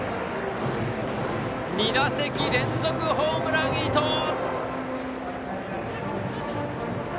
２打席連続ホームラン、伊藤！